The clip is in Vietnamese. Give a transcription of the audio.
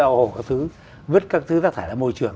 áo hồ các thứ vứt các thứ ra thải ra môi trường